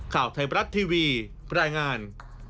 ข่าวไทยบรัฐทีวีรายงาน